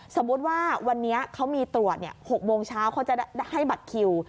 สมมุติว่าวันนี้เขามีตรวจ๖โมงเช้าเขาจะให้บัตรคิว